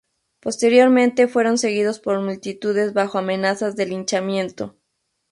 Posteriormente fueron seguidos por multitudes bajo amenazas de linchamiento.